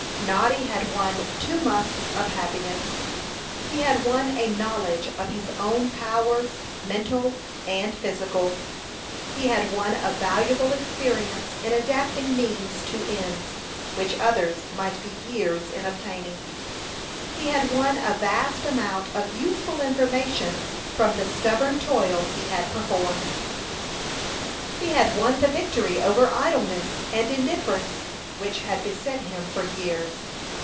Noddy had won two months of happiness. He had won a knowledge of his own powers, mental and physical. He had won a valuable experience in adapting means to ends, which others might be years in obtaining. He had won a vast amount of useful information from the stubborn toil he had performed. He had won the victory over idleness and indifference, which had beset him for years.